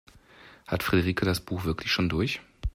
Hat Friederike das Buch wirklich schon durch?